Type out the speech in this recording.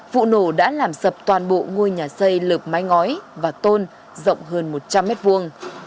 vụ nổ đã làm sập toàn bộ ngôi nhà xây lợp mái ngói và tôn rộng hơn một trăm linh mét vuông